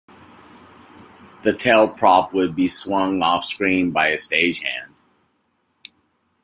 The tail prop would be swung offscreen by a stage hand.